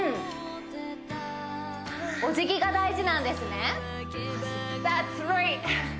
おじぎが大事なんですね